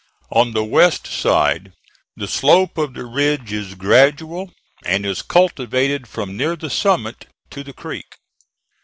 On the west side the slope of the ridge is gradual and is cultivated from near the summit to the creek.